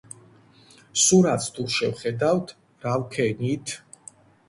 სურათს თუ შევხედავთ, რა ვქენით?